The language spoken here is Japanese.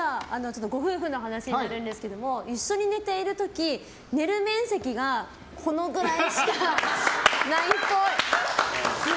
ご夫婦の話になるんですけれども一緒に寝ている時、寝る面積がこのくらいしかないっぽい。